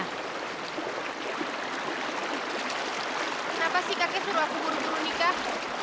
kenapa sih kakek suruh aku buru buru nikah